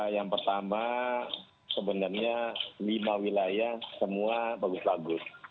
yang pertama sebenarnya lima wilayah semua bagus bagus